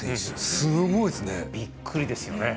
すごいですね。